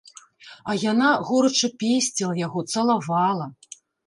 А яна горача песціла яго, цалавала.